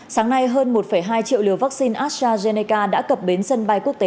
sáng nay hơn một hai triệu liều vaccine astrazeneca đã cập bến sân bay quốc tế